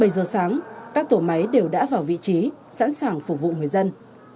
bảy giờ sáng các tổ máy đều đã vào vị trí sẵn sàng phục vụ người dân